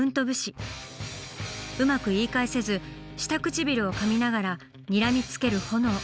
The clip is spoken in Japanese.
うまく言い返せず下唇をかみながらにらみつけるホノオ。